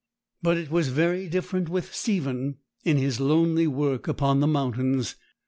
But it was very different with Stephen in his lonely work upon the mountains.